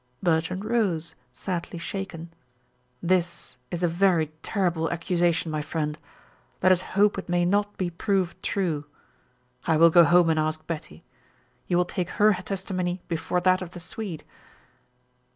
Bertrand rose, sadly shaken. "This is a very terrible accusation, my friend. Let us hope it may not be proved true. I will go home and ask Betty. You will take her testimony before that of the Swede?"